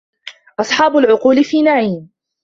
أصحاب العقول في نعيم